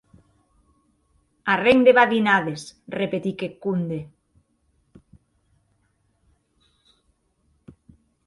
Arren de badinades!, repetic eth comde.